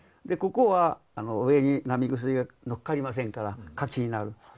でここは上に並薬がのっかりませんから柿になる。